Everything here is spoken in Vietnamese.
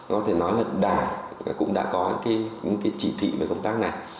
có thể nói là đà cũng đã có cái chỉ thị về công tác này